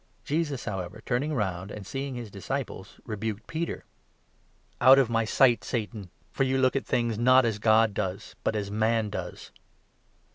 Jesus, however, turning round and seeing his disciples, 33 rebuked Peter. "Out of my sight, Satan !" he exclaimed. " For you look at things, not as God does, but as man does."